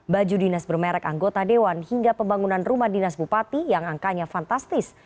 baju dinas bermerek anggota dewan hingga pembangunan rumah dinas bupati yang angkanya fantastis